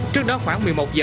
trước đó khoảng một mươi một h